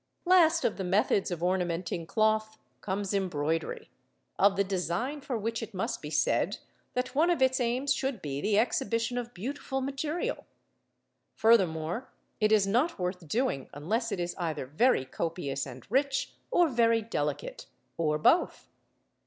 Last of the methods of ornamenting cloth comes Embroidery: of the design for which it must be said that one of its aims should be the exhibition of beautiful material. Furthermore, it is not worth doing unless it is either very copious and rich, or very delicate or both.